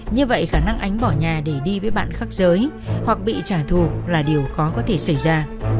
như vậy khả năng ánh bỏ nhà để đi với bạn khắc giới hoặc bị trả thù là điều khó có thể xảy ra